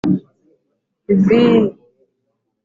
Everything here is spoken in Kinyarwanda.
viii.